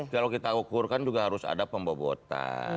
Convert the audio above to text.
kalau kita ukur kan juga harus ada pembebotan